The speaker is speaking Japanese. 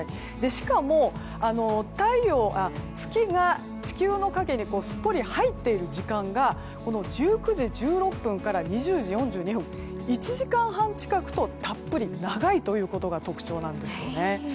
しかも、月が地球の影にすっぽり入っている時間が１９時１６分から２０時４２分と１時間半近くとたっぷり長いということが特徴なんですね。